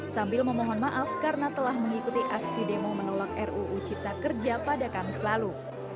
sambil memohon maaf karena telah mengikuti aksi demo menolak ruu cipta kerja pada kamis lalu